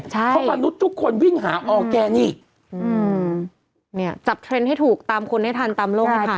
เพราะมนุษย์ทุกคนวิ่งหาออร์แกนิคเนี่ยจับเทรนด์ให้ถูกตามคนให้ทันตามโลกให้ทัน